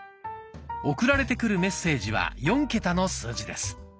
送られてくるメッセージは４桁の数字です。